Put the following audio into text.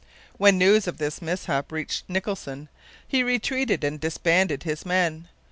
When news of this mishap reached Nicholson he retreated and disbanded his men.